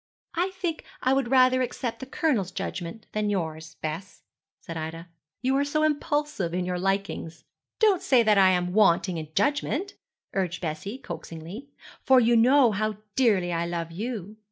'I think I would rather accept the Colonel's judgment than yours, Bess,' said Ida. 'You are so impulsive in your likings.' 'Don't say that I am wanting in judgment,' urged Bessie, coaxingly, 'for you know how dearly I love you.